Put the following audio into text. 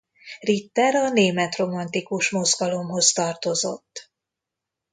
Ritter a német romantikus mozgalomhoz tartozott.